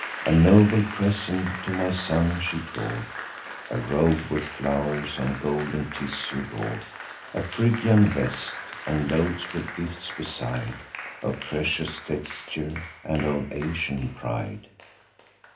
A noble present to my son she brought, A robe with flow'rs on golden tissue wrought, A phrygian vest; and loads with gifts beside Of precious texture, and of Asian pride.